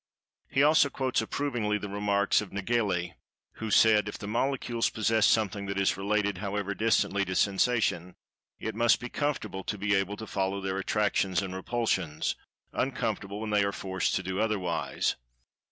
He also quotes, approvingly, the[Pg 163] remarks of Nageli, who said: "If the molecules possess something that is related, however distantly, to sensation, it must be comfortable to be able to follow their attractions and repulsions; uncomfortable when they are forced to do otherwise."